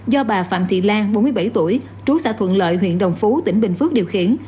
do bà phạm thị lan bốn mươi bảy tuổi chú xã thuận lợi huyện đồng phú tỉnh bình phước điều khiển